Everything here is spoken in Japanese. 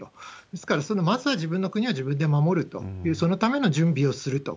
ですから、まずは自分の国は自分で守ると、そのための準備をすると。